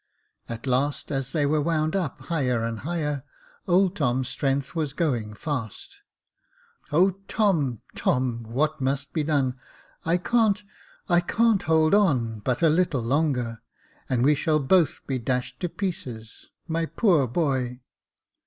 At last, as they were wound up higher and higher, old Tom's strength was going fast. *' O Tom, Tom, what must be done ? I can't — I can't hold on but a little longer, and we shall be both dashed to pieces. My poor boy